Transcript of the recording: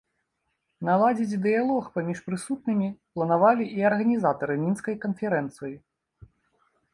Наладзіць дыялог паміж прысутнымі планавалі і арганізатары мінскай канферэнцыі.